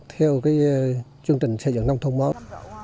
theo cái chương trình xây dựng nông thôn mốt